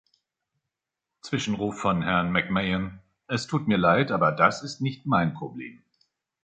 Zwischenruf von Herrn McMahon Es tut mir leid, aber das ist nicht mein Problem.